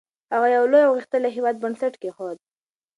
هغه د یو لوی او غښتلي هېواد بنسټ کېښود.